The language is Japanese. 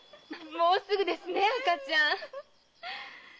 もうすぐですね赤ちゃん。